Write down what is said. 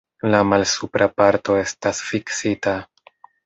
La malsupra parto estas fiksita.